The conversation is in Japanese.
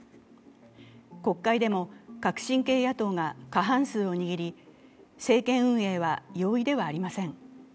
国会でも革新系野党が過半数を握り政権運営は容易ではありません。